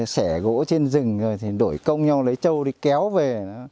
xẻ gỗ trên rừng rồi thì đổi công nhau lấy trâu đi kéo về